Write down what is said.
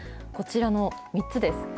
こちらの３つです。